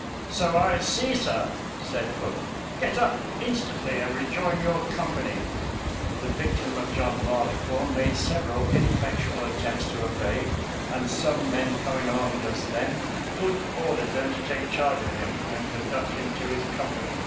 " So I see, sir," said Hood; "get up instantly and rejoin your com pany." The victim of John Barleycorn made several ineffectual attempts to obey, and some men coming along just then, Hood ordered them to take charge of him and conduct him to his company.